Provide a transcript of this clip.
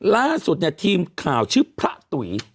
ลักที่สุดทีมข่าวชื่อพระตุ๋ย